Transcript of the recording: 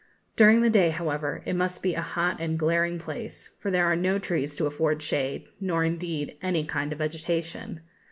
During the day, however, it must be a hot and glaring place, for there are no trees to afford shade, nor, indeed, any kind of vegetation.